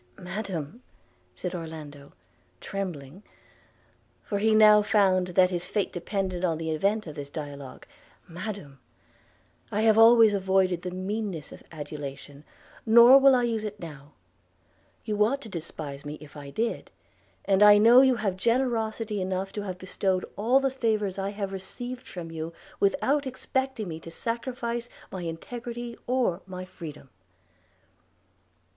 'Madam,' said Orlando trembling, for he now found that his fate depended on the event of this dialogue – 'Madam, I have always avoided the meanness of adulation, nor will I use it now; you ought to despise me if I did; and I know you have generosity enough to have bestowed all the favours I have received from you, without expecting me to sacrifice my integrity or my freedom.'